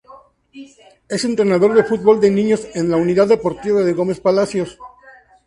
Es entrenador de fútbol de niños en la Unidad Deportiva de Gómez Palacio.